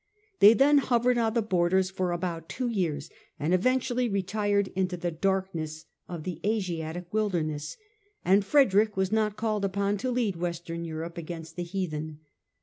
They then hovered on the borders for about two years and eventually retired into the darkness of the Asiatic wilderness ; and Frederick was not called upon to lead Western Europe against the heathen.